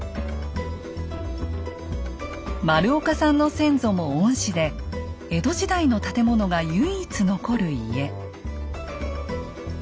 丸岡さんの先祖も御師で江戸時代の建物が唯一残る家。